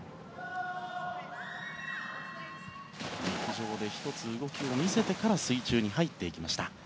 陸上で１つ動きを見せてから水中に入っていきました。